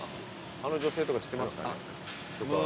あの女性とか知ってますかね。